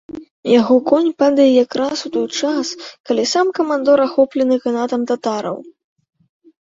Яго конь падае якраз у той час, калі сам камандор ахоплены канатам татараў.